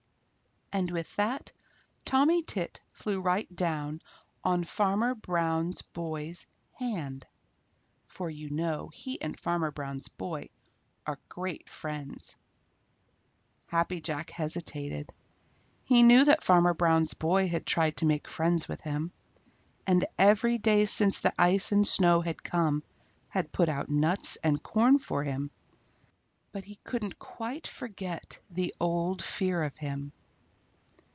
And with that Tommy Tit flew right down on Farmer Brown's boy's hand, for you know he and Farmer Brown's boy are great friends. Happy Jack hesitated. He knew that Farmer Brown's boy had tried to make friends with him, and every day since the ice and snow had come had put out nuts and corn for him, but he couldn't quite forget the old fear of him.